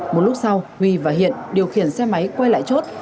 một lúc sau huy và hiện điều khiển xe máy quay lại chốt